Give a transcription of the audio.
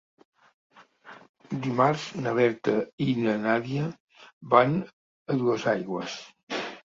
Dimarts na Berta i na Nàdia van a Duesaigües.